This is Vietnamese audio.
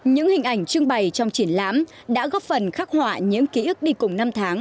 những hình ảnh trưng bày trong triển lãm đã góp phần khắc họa những ký ức đi cùng năm tháng